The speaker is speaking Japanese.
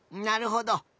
なるほど。